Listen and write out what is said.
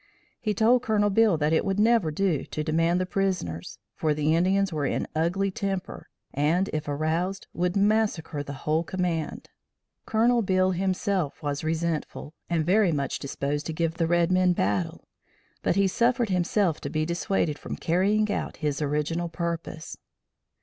He told Colonel Beale that it would never do to demand the prisoners, for the Indians were in ugly temper and if aroused, would massacre the whole command. Colonel Beale himself was resentful, and very much disposed to give the red men battle, but he suffered himself to be dissuaded from carrying out his original purpose.